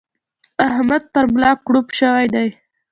احمد پر ملا کړوپ شوی دی.